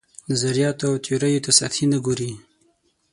نظریاتو او تیوریو ته سطحي نه ګوري.